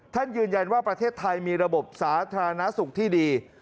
ยืนยันว่าประเทศไทยมีระบบสาธารณสุขที่ดี